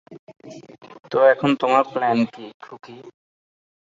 তো, এখন তোমার প্ল্যান কী, খুকী?